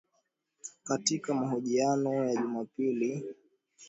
Katika mahojiano ya Jumapili, Fadzayi Mahere, msemaji wa Citizens’ Coalition for Change